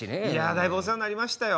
だいぶお世話になりましたよ。